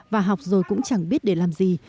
và học rồi cũng chẳng biết để làm gì